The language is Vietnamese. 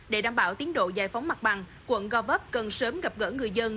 để đảm bảo tiến độ giải phóng mặt bằng quận gò vấp cần sớm gặp gỡ người dân